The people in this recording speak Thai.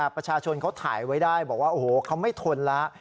ประชาชนเขาถ่ายไว้ได้บอกว่าโอ้โหเขาไม่ทนแล้ว